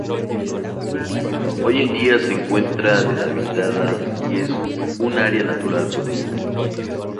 Hoy en día se encuentra deshabitada y es un área natural protegida.